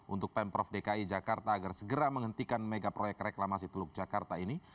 untuk pemprov dki jakarta agar segera menghentikan mega proyek reklamasi teluk jakarta ini